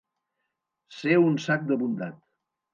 Ser un sac de bondat.